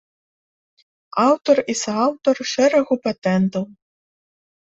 Аўтар і сааўтар шэрагу патэнтаў.